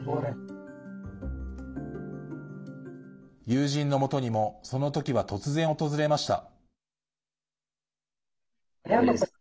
友人のもとにもその時は突然訪れました。